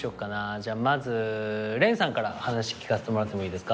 じゃあまずれんさんから話聞かせてもらってもいいですか？